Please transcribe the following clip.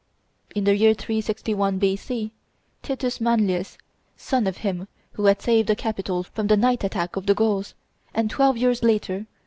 In the year 361 B.C., Titus Manlius, son of him who had saved the Capitol from the night attack of the Gauls, and twelve years later M.